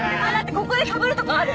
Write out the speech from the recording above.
ここでかぶるとかある？